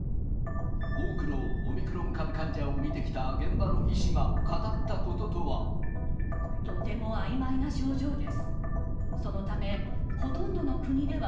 多くのオミクロン株患者を診てきた現場の医師が語ったこととは。